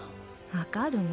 分かるの！